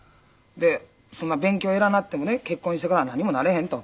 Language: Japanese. で「そんな勉強偉なってもね結婚してからは何もなれへん」と。